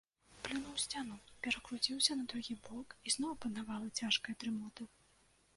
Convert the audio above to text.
Плюнуў у сцяну, перакруціўся на другі бок, і зноў апанавала цяжкая дрымота.